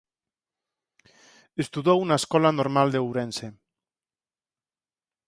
Estudou na Escola Normal de Ourense.